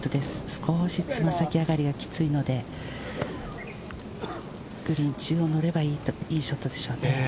少し爪先上がりがきついのでグリーン中央にのればいいショットでしょうね。